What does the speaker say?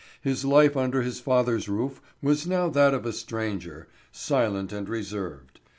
His life under his father's roof was now that of a stranger, silent and reserved.